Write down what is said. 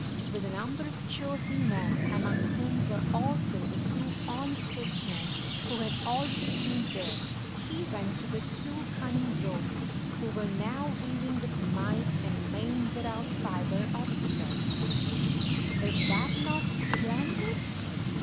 With a number of chosen men, among whom were also the two honest statesmen who had already been there, he went to the two cunning rogues, who were now weaving with might and main with out fiber or thread. "Is that not splendid?"